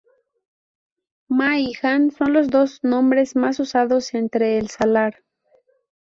Ma y Han son los dos nombres más usados entre el salar.